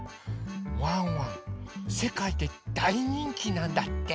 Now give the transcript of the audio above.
ワンワンせかいで大人気なんだって。